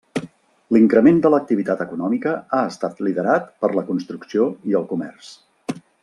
L'increment de l'activitat econòmica ha estat liderat per la construcció i el comerç.